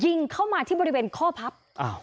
ยิงเข้ามาที่บริเวณข้อพับ